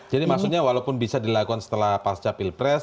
jadi maksudnya walaupun bisa dilakukan setelah pasca pilpres